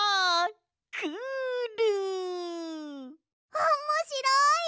おもしろい！